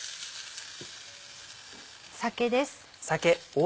酒です。